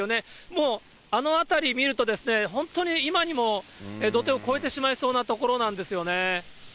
もう、あの辺り見ると、本当に今にも土手を超えてしまいそうなところなんですよね。